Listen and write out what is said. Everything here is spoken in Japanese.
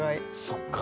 そっか。